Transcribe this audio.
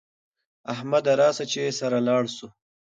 احمده راسه چې سره لاړ سو